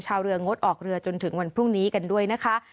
ชาวเรืองดออกเรือจนถึงวันพรุ่งนี้กันด้วยนะคะ